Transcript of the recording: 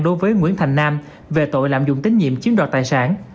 đối với nguyễn thành nam về tội làm dụng tín nhiệm chiếu đoạt tài sản